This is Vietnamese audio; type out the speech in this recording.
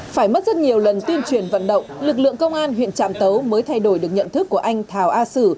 phải mất rất nhiều lần tuyên truyền vận động lực lượng công an huyện trạm tấu mới thay đổi được nhận thức của anh thảo a sử